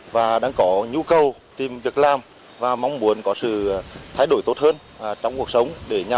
và đưa trở về địa phương